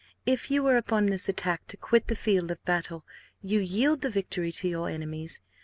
If you were upon this attack to quit the field of battle, you yield the victory to your enemies.